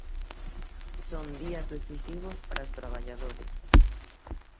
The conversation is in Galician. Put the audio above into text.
Son días decisivos para os traballadores.